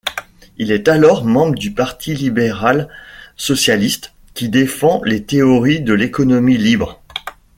Il est alors membre du Parti libéral-socialiste qui défend les théories de l'économie libre.